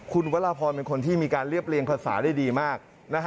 คุณวรพรเป็นคนที่มีการเรียบเรียงภาษาได้ดีมาก